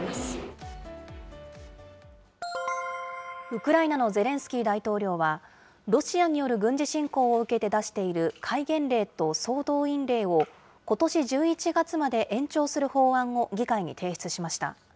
ウクライナのゼレンスキー大統領は、ロシアによる軍事侵攻を受けて出している戒厳令と総動員令を、ことし１１月まで延長する法案を議会に提出しました。